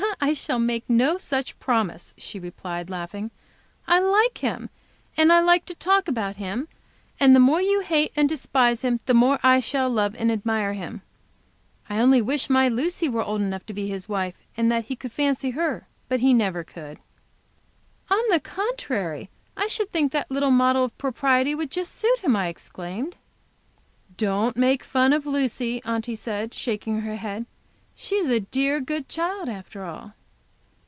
"I shall make no such promise," she replied, laughing. "I like him, and I like to talk about him and the more you hate and despise him the more I shall love and admire him. I only wish my Lucy were old enough to be his wife, and that he could fancy her; but he never could!" "On the contrary I should think that little model of propriety would just suit him," I exclaimed. "Don't make fun of Lucy," Aunty said, shaking her head. "She is a dear good child, after all."